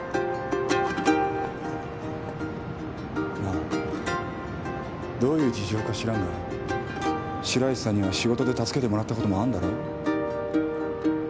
なあどういう事情か知らんが白石さんには仕事で助けてもらったこともあんだろう？